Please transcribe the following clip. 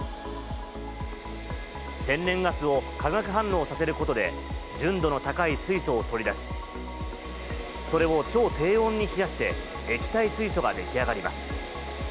天然ガスを化学反応させることで、純度の高い水素を取り出し、それを超低温に冷やして液体水素が出来上がります。